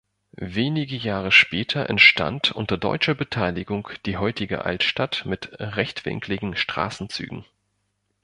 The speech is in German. Wenige Jahre später entstand unter deutscher Beteiligung die heutige Altstadt mit rechtwinkligen Straßenzügen.